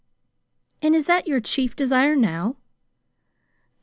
"And is that your chief desire now?"